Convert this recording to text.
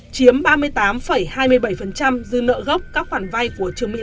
chiếm ba mươi tám hai mươi bảy dư nợ gốc